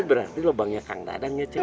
ini berarti lobangnya kang dadan ya ceng